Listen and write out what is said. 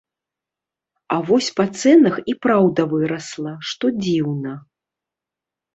А вось па цэнах і праўда вырасла, што дзіўна.